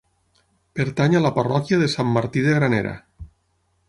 Pertany a la parròquia de Sant Martí de Granera.